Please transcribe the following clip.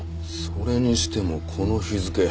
それにしてもこの日付。